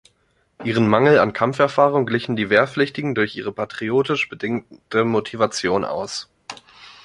Ihren Mangel an Kampferfahrung glichen die Wehrpflichtigen durch ihre patriotisch bedingte Motivation aus.